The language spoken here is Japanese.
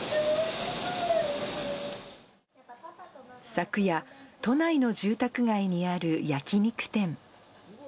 昨夜、都内の住宅街にある焼き肉店。